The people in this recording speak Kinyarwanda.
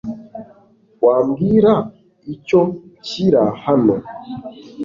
Wambwira icyo nshyira hano?